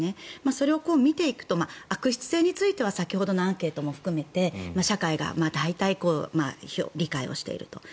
それを見ていくと悪質性については先ほどのアンケートも含めて社会が大体理解をしていると。